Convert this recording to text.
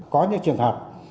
có những trường hợp